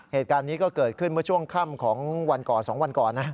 เหตุการณ์นี้ก็เกิดขึ้นเมื่อช่วงค่ำของวันก่อน๒วันก่อนนะ